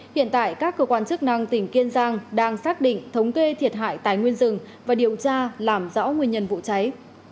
hiện tại các cơ quan chức năng tỉnh kiên giang đang xác định thống kê thiệt hại tài nguyên rừng và điều tra làm rõ nguyên nhân vụ cháy